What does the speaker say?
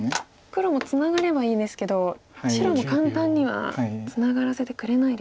黒もツナがればいいですけど白も簡単にはツナがらせてくれないですか。